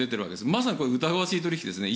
まさに疑わしい取引ですね。